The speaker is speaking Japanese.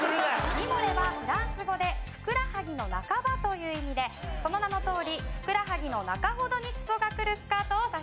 「ミモレ」はフランス語でふくらはぎの半ばという意味でその名のとおりふくらはぎの中ほどに裾がくるスカートを指しています。